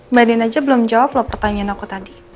mbak dina aja belum jawab loh pertanyaan aku tadi